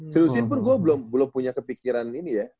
seriusin pun gue belum punya kepikiran ini ya